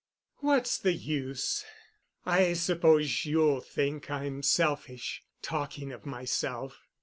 "What's the use? I suppose you'll think I'm selfish—talking of myself.